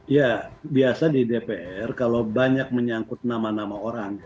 ya biasa di dpr kalau banyak menyangkut nama nama orang